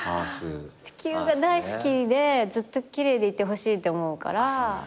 地球が大好きでずっと奇麗でいてほしいって思うから。